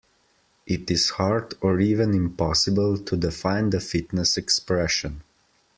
It is hard or even impossible to define the fitness expression.